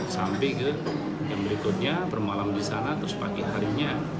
sampai ke yang berikutnya bermalam di sana terus pagi harinya